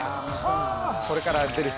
あこれから出る人